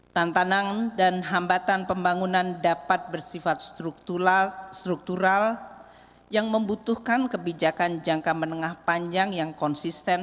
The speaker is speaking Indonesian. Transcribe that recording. tantangan dan hambatan pembangunan dapat bersifat struktural yang membutuhkan kebijakan jangka menengah panjang yang konsisten